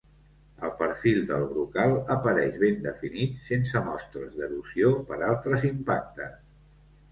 El perfil del brocal apareix ben definit, sense mostres d'erosió per altres impactes.